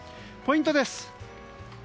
ポイントです。